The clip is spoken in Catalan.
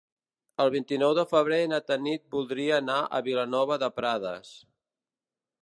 El vint-i-nou de febrer na Tanit voldria anar a Vilanova de Prades.